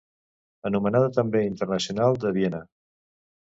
Anomenada també Internacional de Viena.